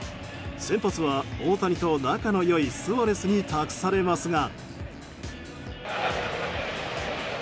先発は大谷と仲の良いスアレスに託されますが。